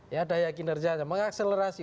ya daya kinerjanya mengakselerasi